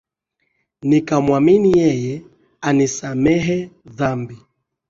Nikamwamini yeye anisamehe dhambi